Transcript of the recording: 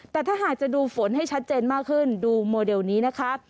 แต่ถ้าหากจะดูฝนให้ชัดเจนมากขึ้นดูโมเดลนี้นะคะ